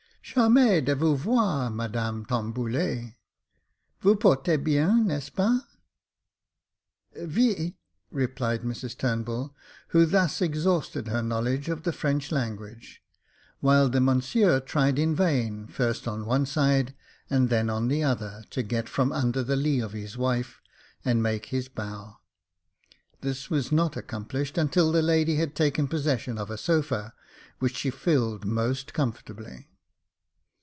" Charmee de vous voir, Madame Tom bulle. Vous vous portez bien ; n'est ce pas ?"" Ve,^^ replied Mrs Turnbull, who thus exhausted her knowledge of the French language ; while the Monsieur tried in vain, first on one side, and then on the other, to get from under the lee of his wife and make his bow. This was not accomplished until the lady had taken possession of a sofa, which she filled most comfort ably.